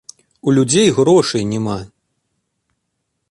У людзей грошай няма!